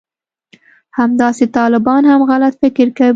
همداسې طالبان هم غلط فکر کوي